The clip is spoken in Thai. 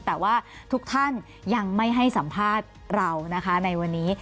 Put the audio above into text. แต่ว่าทุกท่านยังไม่ให้สัมภาษณ์เรานะคะในวันนี้